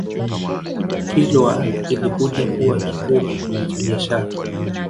Kilwa ilikuja kuwa kituo kikubwa cha biashara